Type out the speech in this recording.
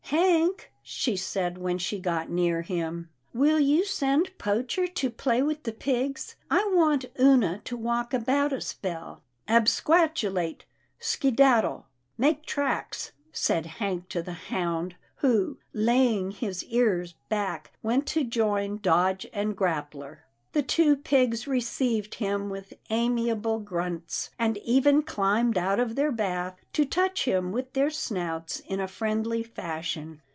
" Hank," she said when she got near him, " will you send Poacher to play with the pigs. I want Oonah to walk about a spell." " Absquatulate, skedaddle, make tracks," said Hank to the hound, who, laying his ears back, went to join Dodge and Grappler. The two pigs received him with amiable grunts, and even climbed out of their bath to touch him with their snouts in a friendly fashion.